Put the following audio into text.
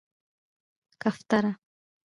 🕊 کفتره